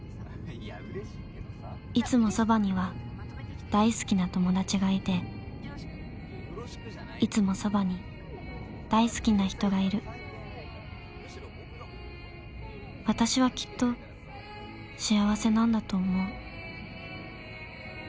いつもそばには大好きな友達がいていつもそばに大好きな人がいる私はきっと幸せなんだと思う